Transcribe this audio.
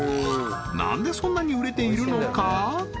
何でそんなに売れているのか？